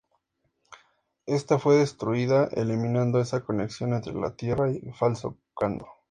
Ésta fue destruida, eliminando esa conexión entre la Tierra y el falso Kandor.